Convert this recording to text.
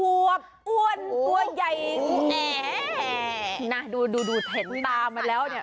วบอ้วนตัวใหญ่แอนะดูดูเห็นตามาแล้วเนี่ย